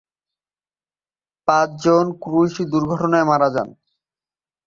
পাঁচজন ক্রুই দুর্ঘটনায় মারা যান।